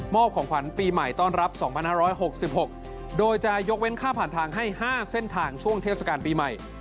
ของขวัญปีใหม่ต้อนรับ๒๕๖๖โดยจะยกเว้นค่าผ่านทางให้๕เส้นทางช่วงเทศกาลปีใหม่